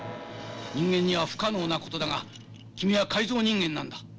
人間には不可能なことだが君は改造人間なんだ。